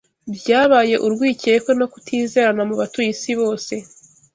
byabyaye urwikekwe no kutizerana mu batuye isi bose